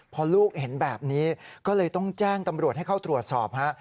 พอลูกเห็นแบบนี้ก็เลยต้องแจ้งตำรวจให้เข้าตรวจสอบฮะ